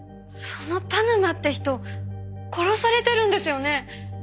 その田沼って人殺されてるんですよね？